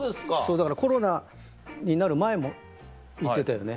だからコロナになる前も行ってたよね。